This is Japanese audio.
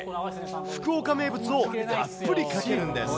福岡名物をたっぷりかけるんです。